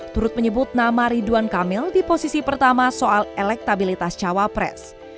turut menyebut nama ridwan kamil di posisi pertama soal elektabilitas cawapres